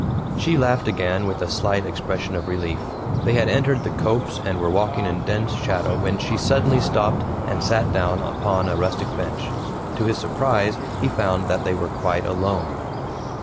She laughed again with a slight expression of relief. They had entered the copse and were walking in dense shadow when she suddenly stopped and sat down upon a rustic bench. To his surprise he found that they were quite alone.